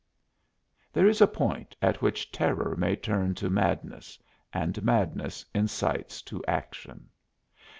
There is a point at which terror may turn to madness; and madness incites to action.